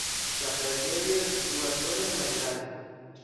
La preĝejo situas sola en la vilaĝo.